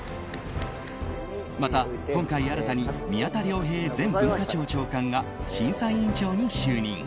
また、今回新たに宮田亮平前文化庁長官が審査委員長に就任。